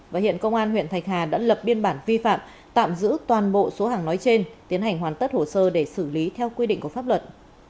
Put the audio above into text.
và hiện công an huyện thạch hà đã lập biên bản vi phạm tạm giữ toàn bộ số hàng nói trên tiến hành hoàn tất hồ sơ để xử lý theo quy định của pháp luật